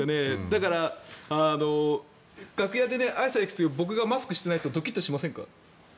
だから、楽屋であいさつに行く時僕がマスクしていないとドキッとしませんか？